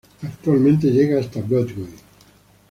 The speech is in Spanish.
Actualmente llega hasta Broadway.